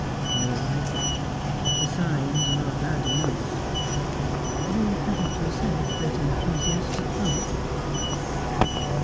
"Very likely. The signs are bad enough." "You haven't yourself that enthusiastic hope?"